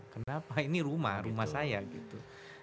kenapa ini rumah rumah saya gitu